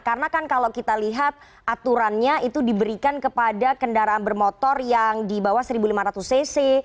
karena kan kalau kita lihat aturannya itu diberikan kepada kendaraan bermotor yang di bawah satu lima ratus cc